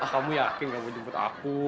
kamu yakin kamu jemput aku